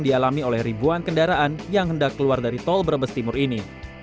dialami oleh ribuan kendaraan yang hendak keluar dari tol brebes timur ini